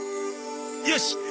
よし！